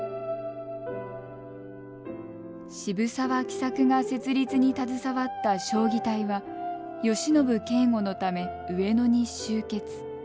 渋沢喜作が設立に携わった彰義隊は慶喜警護のため上野に集結。